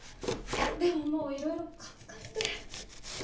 でももういろいろカツカツで。